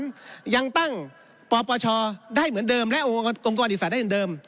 ยังตั้งปปชได้เหมือนเดิมและองค์กรอิสระได้เหมือนเดิม